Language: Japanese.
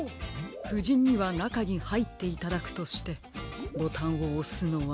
ふじんにはなかにはいっていただくとしてボタンをおすのは。